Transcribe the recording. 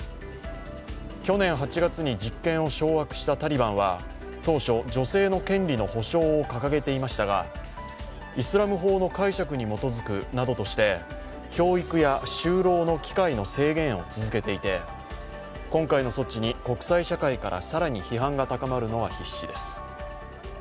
去年８月に実権を掌握したタリバンは当初、女性の権利の保障を掲げていましたがイスラム法の解釈に基づくなどとして、教育や就労の機会の制限を続けていて、今回の措置に、国際社会から更に批判が高まるのは必至です。